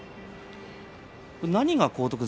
何が荒篤山